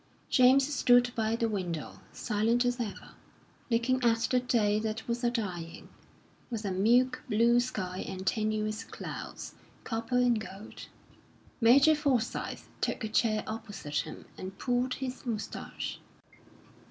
James stood by the window, silent as ever, looking at the day that was a dying, with a milk blue sky and tenuous clouds, copper and gold. Major Forsyth took a chair opposite him, and pulled his moustache.